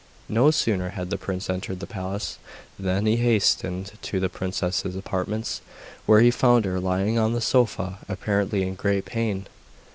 No sooner had the prince entered the palace than he hastened to the princess's apartments, where he found her lying on the sofa apparently in great pain.